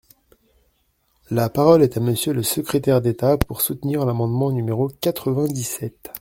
La parole est à Monsieur le secrétaire d’État, pour soutenir l’amendement numéro quatre-vingt-dix-sept.